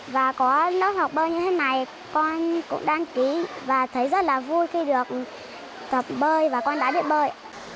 và có lớp học bơi như thế này con cũng đăng ký và thấy rất là vui khi được tập bơi và con đã biết bơi